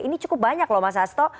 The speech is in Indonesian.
ini cukup banyak loh mas asto